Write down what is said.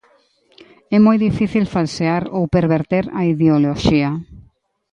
É moi difícil falsear ou perverter a ideoloxía.